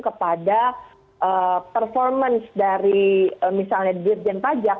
kepada performance dari misalnya dirjen pajak